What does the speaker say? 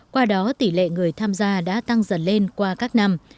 qua đó tỷ lệ người tham gia đã tăng dần lên qua các năm